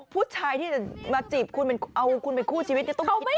ผู้ชายที่จะมาจีบคุณเอาคุณเป็นคู่ชีวิตนี่ต้องจดหนักเลยนะ